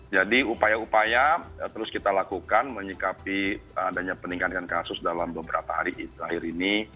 jadi upaya upaya terus kita lakukan menyikapi adanya peningkatan kasus dalam beberapa hari ini